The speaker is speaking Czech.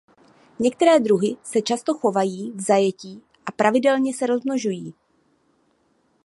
Některé druhy se často chovají v zajetí a pravidelně se rozmnožují.